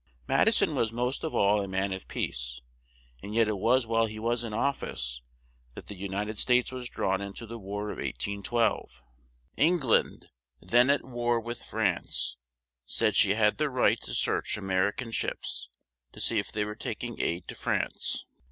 Mad i son was most of all a man of peace, and yet it was while he was in of fice that the U nit ed States was drawn in to the War of 1812. Eng land, then at war with France, said she had the right to search A mer i can ships to see if they were tak ing aid to France.